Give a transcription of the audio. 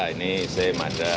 ini seme ada